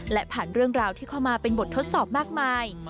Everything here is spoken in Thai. และผ่านเรื่องราวที่เข้ามาเป็นบททดสอบมากมาย